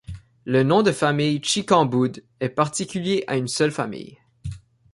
Le nom de famille Tchicamboud est particulier à une seule famille.